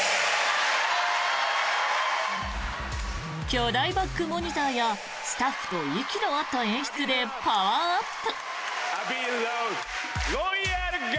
巨大バックモニターやスタッフとの息の合った演出でパワーアップ。